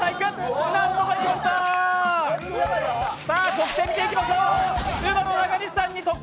得点を見ていきましょう。